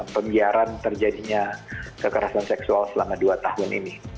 pembiaran terjadinya kekerasan seksual selama dua tahun ini